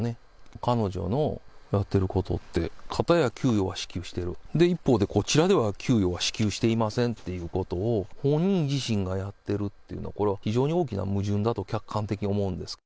彼女のやっていることって、片や給与は支給している、一方でこちらでは給与は支給していませんということを、本人自身がやってるというのは、これは非常に大きな矛盾だと客観